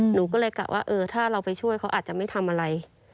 หนูก็เลยกะว่าเออถ้าเราไปช่วยเขาอาจจะไม่ทำอะไร